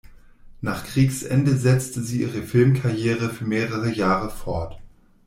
Nach Kriegsende setzte sie ihre Filmkarriere für mehrere Jahre fort.